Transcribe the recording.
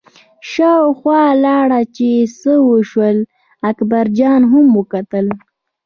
شاوخوا لاړه چې څه وشول، اکبرجان هم وکتل.